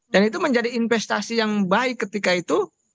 dan itu menjadi investasi yang baik ketika itu